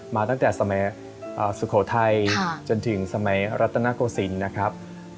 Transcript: มาตั้งแต่สมัยสุโขทัยจนถึงสมัยรัตนโกศิลป์นะครับ